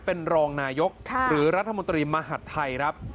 เป็นรองนายกหรือรัฐมนตรีมหัฐไทยครับ